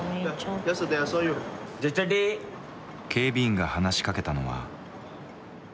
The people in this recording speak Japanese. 警備員が話しかけたのは。